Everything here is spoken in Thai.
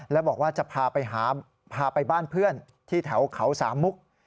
แล้วบอกว่าจะพาไปหาพาไปบ้านเพื่อนที่แถวเขาสามมุก